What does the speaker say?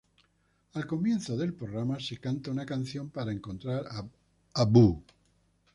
Al comienzo del programa se canta una canción para encontrar a Boo!